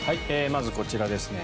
まずこちらですね。